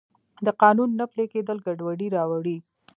د قانون نه پلی کیدل ګډوډي راوړي.